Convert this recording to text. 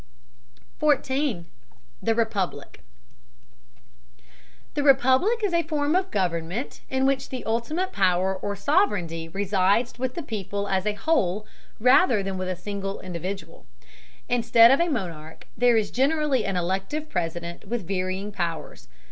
14. THE REPUBLIC. The republic is a form of government in which ultimate power or sovereignty resides with the people as a whole rather than with a single individual. Instead of a monarch there is generally an elective president, with varying powers.